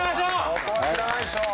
ここは知らないでしょう。